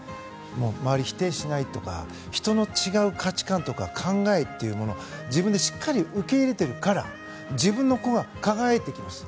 周りを否定しないとか人の違う価値観とか考えというものを自分でしっかり受け入れているから自分の個が輝いています。